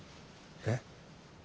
えっ？